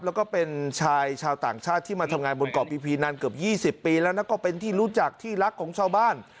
แล้วก็เป็นชายชาวต่างชาติที่มาทำงานบนเกาะพีพีนานเกือบ๒๐ปีแล้วก็เป็นที่รู้จักที่รักของชาวบ้าน